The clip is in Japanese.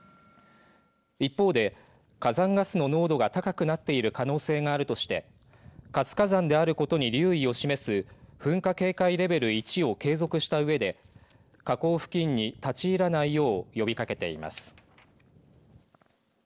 一方で火山ガスの濃度が高くなっている可能性があるとして活火山であることに留意を示す噴火警戒レベル１を継続したうえで火口付近に立ち入らないよう呼びかけています。